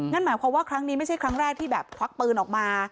นั่นหมายความว่าครั้งนี้ไม่ใช่ครั้งแรกที่แบบควักปืนออกมา